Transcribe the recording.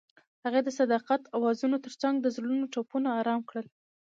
هغې د صادق اوازونو ترڅنګ د زړونو ټپونه آرام کړل.